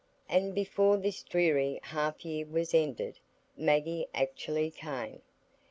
And before this dreary half year was ended, Maggie actually came.